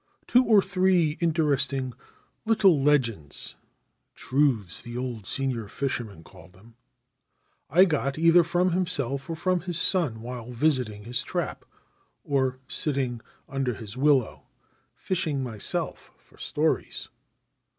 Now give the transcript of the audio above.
Two or three interesting little legends (truths the old 47 Ancient Tales and Folklore of Japan senior fisherman called them) I got, either from himself or from his son while visiting his trap, or sitting under his willow, fishing myself — for stories.